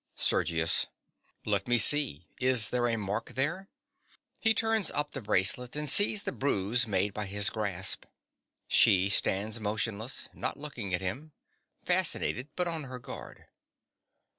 _) SERGIUS. Let me see: is there a mark there? (_He turns up the bracelet and sees the bruise made by his grasp. She stands motionless, not looking at him: fascinated, but on her guard.